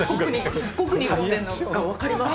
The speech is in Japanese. すっごく煮込んでるのが分かります。